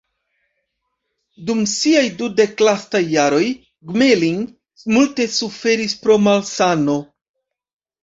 Dum siaj dudek lastaj jaroj Gmelin multe suferis pro malsano.